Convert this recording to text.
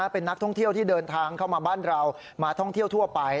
เป็นนักท่องเที่ยวที่เดินทางเข้ามาบ้านเรามาท่องเที่ยวทั่วไป